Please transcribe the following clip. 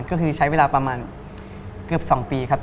ก็คือใช้เวลาประมาณเกือบ๒ปีครับ